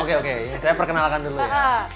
oke oke saya perkenalkan dulu ya